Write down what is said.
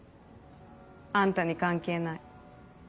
あんたに関係ない。